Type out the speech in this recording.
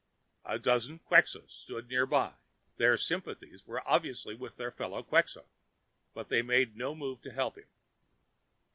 A dozen Quxas stood nearby. Their sympathies were obviously with their fellow Quxa, but they made no move to help him.